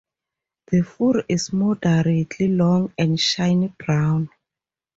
The fur is moderately long and shiny brown.